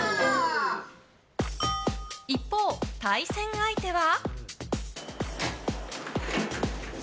一方、対戦相手は。